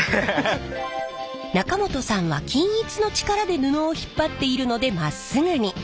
中本さんは均一の力で布を引っ張っているのでまっすぐに。